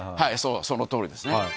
そのとおりですね。